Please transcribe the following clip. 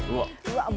うわっ。